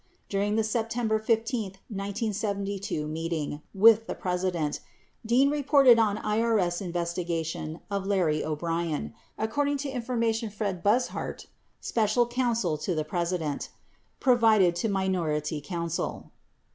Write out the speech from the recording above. During the September 15, 1972, meeting with the Presi dent, "Dean reported on IBS investigation of Larry O'Brien," according to information Fred Buzhardt, Special Counsel to the President, provided to minority counsel.